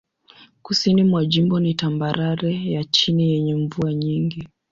Kusini mwa jimbo ni tambarare ya chini yenye mvua nyingi.